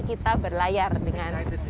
kita berlayar dengan